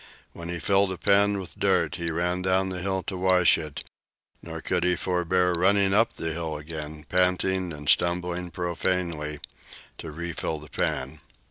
When he filled a pan with dirt, he ran down the hill to wash it; nor could he forbear running up the hill again, panting and stumbling profanely, to refill the pan.